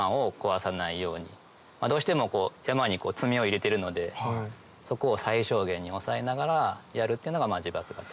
どうしても山にツメを入れてるのでそこを最小限に抑えながらやるっていうのが自伐型。